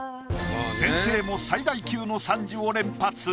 先生も最大級の賛辞を連発。